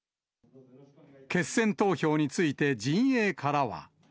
決選投票について、陣営からは。